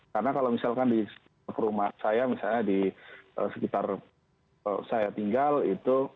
karena kalau misalkan di rumah saya misalnya di sekitar saya tinggal itu